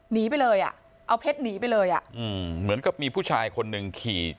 หนีไปเลยอ่ะเอาเพชรหนีไปเลยอ่ะอืมเหมือนกับมีผู้ชายคนหนึ่งขี่